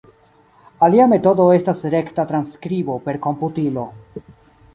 Alia metodo estas rekta transskribo per komputilo.